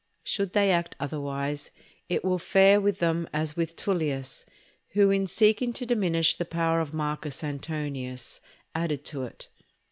Should they act otherwise, it will fare with them as with Tullius, who, in seeking to diminish the power of Marcus Antonius, added to it.